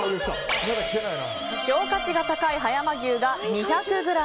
希少価値が高い葉山牛が２００ｇ。